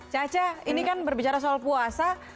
caca ini kan berbicara soal puasa